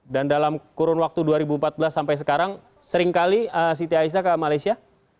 dan dalam kurun waktu dua ribu empat belas sampai sekarang seringkali siti aisyah ke malaysia